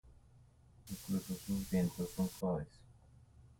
Incluso sus vientos son suaves.